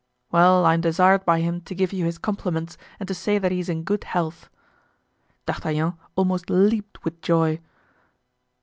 "Well, I am desired by him to give you his compliments and to say that he is in good health." D'Artagnan almost leaped with joy.